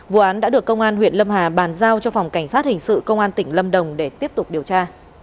vụ án đã được công an huyện lâm hà bàn giao cho phòng cảnh sát hình sự công an tỉnh lâm đồng để tiếp tục điều tra